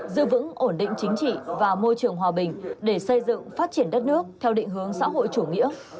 giữ vững ổn định chính trị và môi trường hòa bình để xây dựng phát triển đất nước theo định hướng xã hội chủ nghĩa